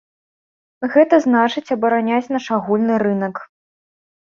Гэта значыць абараняць наш агульны рынак.